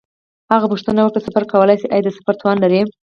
هغه پوښتنه وکړه: سفر کولای شې؟ آیا د سفر توان لرې؟